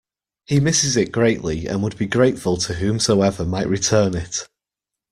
He misses it greatly and would be very grateful to whomsoever might return it.